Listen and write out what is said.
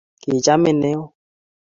kichamin neo